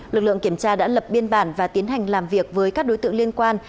lực lượng kiểm tra đã lập biên bản và tiến hành làm việc với các đối tượng liên quan